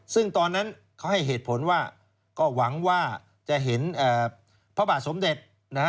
ซึ่งตอนนั้นเขาให้เหตุผลว่าก็หวังว่าจะเห็นพระบาทสมเด็จนะฮะ